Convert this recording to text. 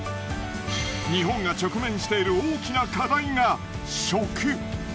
日本が直面している大きな課題が食。